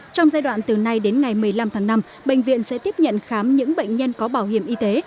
trong giai đoạn từ nay đến ngày một mươi năm tháng năm bệnh viện sẽ tiếp nhận khám những bệnh nhân có bảo hiểm y tế